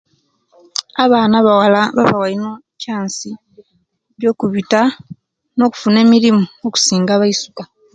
Abaana abawala bawa ino ekyansi eyo kupita no kufuna emirimu okusinga abaisuka